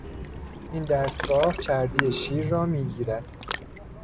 این دستگاه چربی شیر را میگیرد.